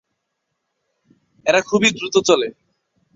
এরা খুবই দ্রুত চলে।